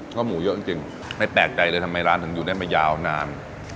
เพราะหมูเยอะจริงไม่แปลกใจเลยทำไมร้านถึงอยู่ได้มายาวนาน